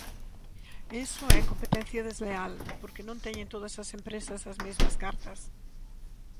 Iso é "competencia desleal" porque non teñen todas as empresas "as mesmas cartas".